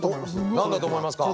何だと思いますか？